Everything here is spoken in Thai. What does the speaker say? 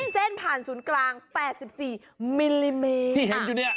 เส้นผ่านศูนย์กลาง๘๔มิลลิเมตร